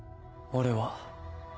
俺は。